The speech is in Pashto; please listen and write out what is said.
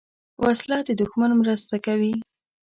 وسله د دوښمن مرسته کوي